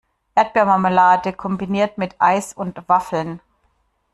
Erdbeermarmelade kombiniert mit Eis und Waffeln.